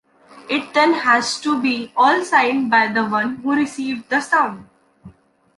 It then has to be all signed by the one who received the sum.